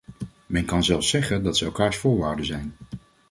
Men kan zelfs zeggen dat ze elkaars voorwaarden zijn.